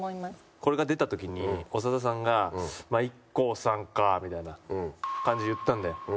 これが出た時に長田さんが「ＩＫＫＯさんか」みたいな感じで言ったんで。